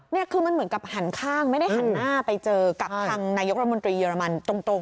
นี่คือมันเหมือนกับหันข้างไม่ได้หันหน้าไปเจอกับทางนายกรัฐมนตรีเรมันตรง